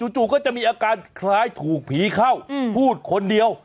จู่ก็จะมีอาการคล้ายถูกผีเข้าพูดคนเดียว